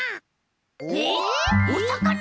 えっおさかな？